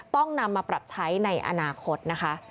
ต้องนำมาปรับใช้ในอนาคตนะคะ